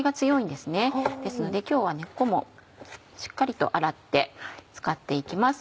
ですので今日は根っこもしっかりと洗って使って行きます。